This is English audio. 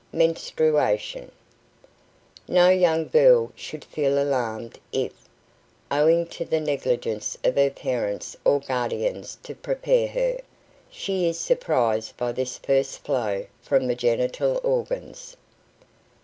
MENSTRUATION No young girl should feel alarmed if, owing to the negligence of her parents or guardians to prepare her, she is surprised by this first flow from the genital organs.